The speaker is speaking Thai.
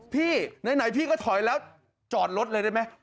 พี่ไหนพี่ก็ถอยแล้วจอดรถเลยได้ไหม